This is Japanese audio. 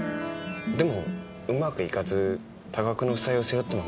でもうまくいかず多額の負債を背負ったまま行方不明に。